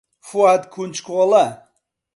فواد کونجکۆڵە.